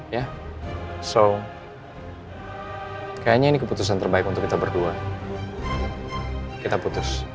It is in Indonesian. ya so kayaknya ini keputusan terbaik untuk kita berdua kita putus